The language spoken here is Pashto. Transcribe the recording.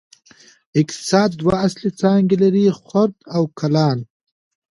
اقتصاد دوه اصلي څانګې لري: خرد او کلان.